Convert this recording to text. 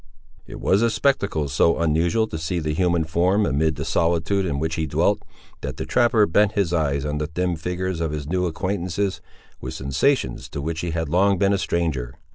It was a spectacle so unusual to see the human form amid the solitude in which he dwelt, that the trapper bent his eyes on the dim figures of his new acquaintances, with sensations to which he had long been a stranger.